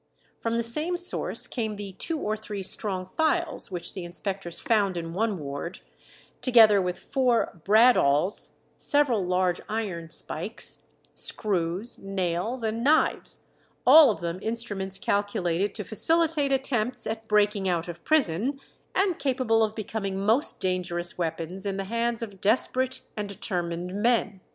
From the same source came the two or three strong files which the inspectors found in one ward, together with four bradawls, several large iron spikes, screws, nails, and knives; "all of them instruments calculated to facilitate attempts at breaking out of prison, and capable of becoming most dangerous weapons in the hands of desperate and determined men."